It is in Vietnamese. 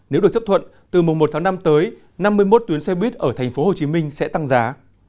nếu được chấp thuận từ mùng một tháng năm tới năm mươi một tuyến xe buýt ở tp hcm sẽ tăng giá